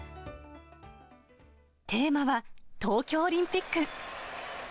テーマは東京オリンピック。